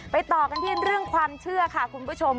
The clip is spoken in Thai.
ต่อกันที่เรื่องความเชื่อค่ะคุณผู้ชม